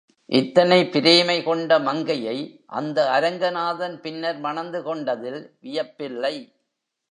இத்தனை பிரேமை கொண்ட மங்கையை இந்த அரங்கநாதன் பின்னர் மணந்து கொண்டதில் வியப்பில்லை.